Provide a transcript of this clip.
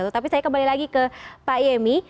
tapi saya kembali lagi ke pak yemi